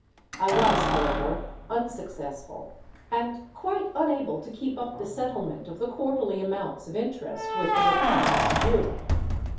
I was, however, unsuccessful, and quite unable to keep up the settlement of the quarterly amounts of interest with the rapacious Jew.